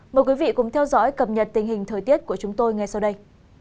mời quý vị cùng theo dõi cập nhật tình hình thời tiết của chúng tôi ngay sau đây